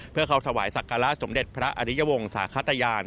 เพื่อเข้าถวายศักระสมเด็จพระอริยวงศาขตยาน